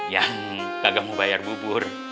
yang gagah mau bayar bubur